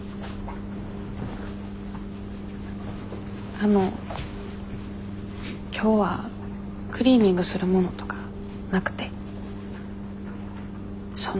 あの今日はクリーニングするものとかなくてその。